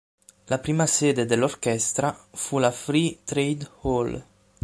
La prima sede dell'orchestra fu la Free Trade Hall.